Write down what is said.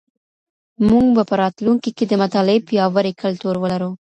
مونږ به په راتلونکي کي د مطالعې پياوړی کلتور ولرو.